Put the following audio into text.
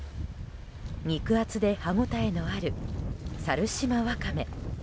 肉厚で歯ごたえのある猿島ワカメ。